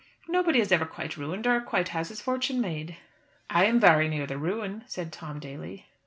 Nobody is ever quite ruined, or quite has his fortune made." "I am very near the ruin," said Tom Daly.